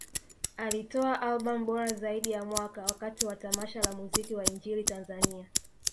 Alitoa Albam bora zaidi ya Mwaka wakati wa tamasha la Muziki wa Injili Tanzania